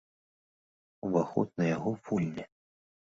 Уваход на яго вольны.